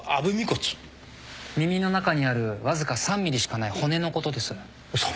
耳の中にあるわずか３ｍｍしかない骨のことです。